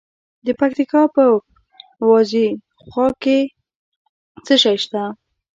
د پکتیکا په وازیخوا کې څه شی شته؟